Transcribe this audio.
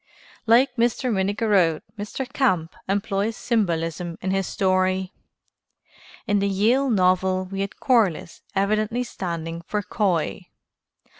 Like Mr. Minnigerode, Mr. Camp employs symbolism in his story. In the Yale novel we had Corliss evidently standing for Coy.